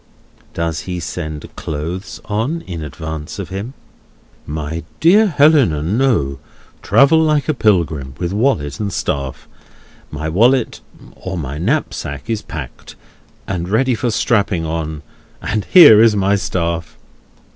Does he send clothes on in advance of him? "My dear Helena, no. Travel like a pilgrim, with wallet and staff. My wallet—or my knapsack—is packed, and ready for strapping on; and here is my staff!"